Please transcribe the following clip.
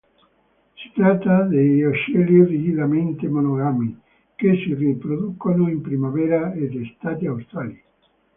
Si tratta di uccelli rigidamente monogami, che si riproducono in primavera ed estate australi.